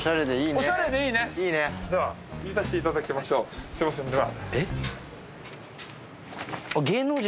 では行かしていただきましょうすいませんでは。